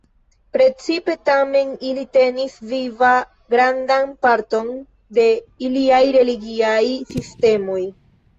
Precipe tamen ili tenis viva grandan parton de iliaj religiaj sistemoj.